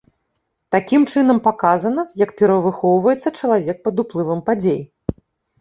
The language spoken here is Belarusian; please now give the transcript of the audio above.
Такім чынам паказана, як перавыхоўваецца чалавек пад уплывам падзей.